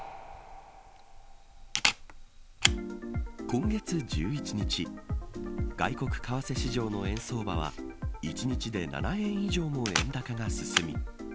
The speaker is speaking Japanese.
今月１１日外国為替市場の円相場は１日で７円以上も円高が進み